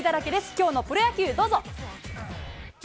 きょうのプロ野球、どうぞ。